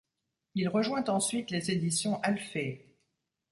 Il rejoint ensuite les éditions Alphée.